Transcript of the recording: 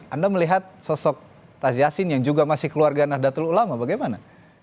anda melihat sosok tazi yassin yang juga masih keluarga nahdlatul ulama bagaimana